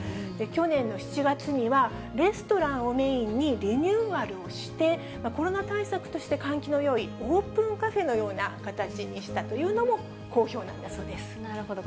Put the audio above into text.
去年の７月には、レストランをメインにリニューアルをして、コロナ対策として換気のよいオープンカフェのような形にしたといなるほど。